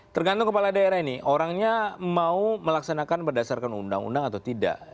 tergantung kepala daerah ini orangnya mau melaksanakan berdasarkan undang undang atau tidak